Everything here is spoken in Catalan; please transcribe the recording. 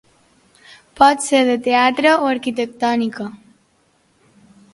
Pot ser de teatre o arquitectònica.